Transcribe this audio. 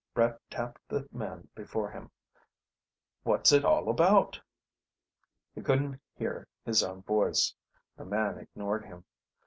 Brett tapped the man before him. "What's it all about...?" He couldn't hear his own voice. The man ignored him.